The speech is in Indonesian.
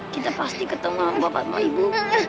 kita pasti ketemu sama bapak sama ibu